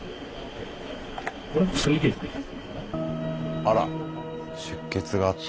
あら出血があったの？